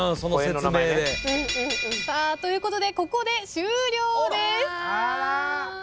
ということでここで終了です。